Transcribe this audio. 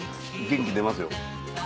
元気出ますよ。